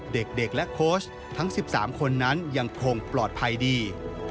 เด็กและโค้ชทั้ง๑๓คนนั้นยังคงปลอดภัยดี